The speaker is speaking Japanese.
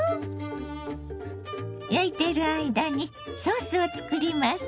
焼いている間にソースを作ります。